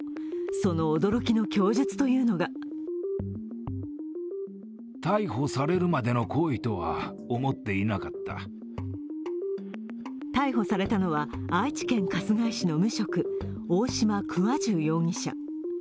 その驚きの供述というのが逮捕されたのは愛知県春日井市の無職大島鍬重容疑者。